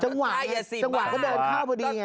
จังหวะนี่ต้องเดินเข้าไปดีไงค่ะสิบหัวนะฮะ